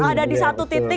ada di satu